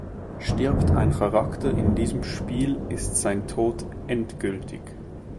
Stirbt ein Charakter in diesem Spiel, ist sein Tod endgültig.